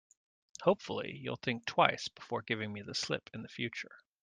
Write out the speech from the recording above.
Hopefully, you'll think twice before giving me the slip in future.